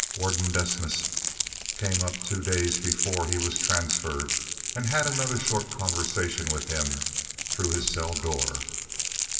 Warden Desmas came up two days before he was transferred, and had another short conversation with him through his cell door.